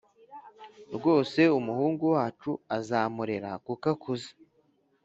rwose umuhungu wacu azamurera kuko akuze